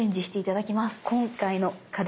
今回の課題